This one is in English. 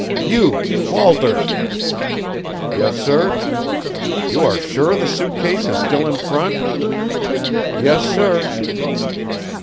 "You, Walters!" "Yes, sir?" "You are sure the suit case is still in front?" "Yes, sir."